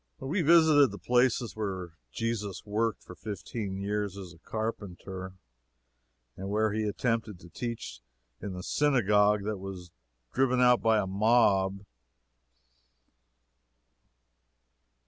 We visited the places where Jesus worked for fifteen years as a carpenter, and where he attempted to teach in the synagogue and was driven out by a mob.